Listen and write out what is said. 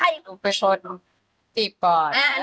ผมไปชนจีบก่อน